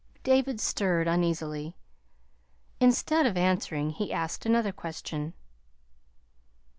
David stirred uneasily. Instead of answering, he asked another question.